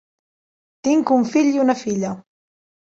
Tinc un fill i una filla.